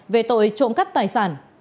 về tội trộm cắt tài sản